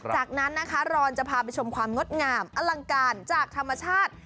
จากนั้นนะคะเราจะพาไปชมความงดงามอลังการจากธรรมชาติ